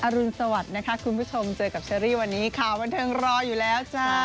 รุนสวัสดิ์นะคะคุณผู้ชมเจอกับเชอรี่วันนี้ข่าวบันเทิงรออยู่แล้วจ้า